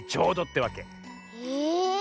へえ。